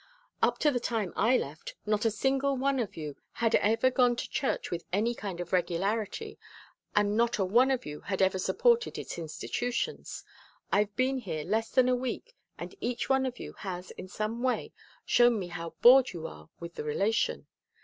"Up to the time I left, not a single one of you ever had gone to church with any kind of regularity and not a one of you had ever supported its institutions. I've been here less than a week and each one of you has in some way shown me how bored you are with the relation.